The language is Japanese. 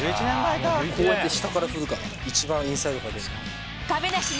こうやって下から振るから、一番インサイドから出る。